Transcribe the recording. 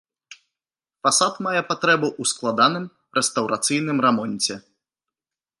Фасад мае патрэбу ў складаным рэстаўрацыйным рамонце.